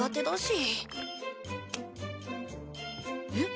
えっ？